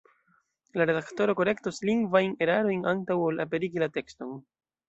La redaktoro korektos lingvajn erarojn antaŭ ol aperigi la tekston.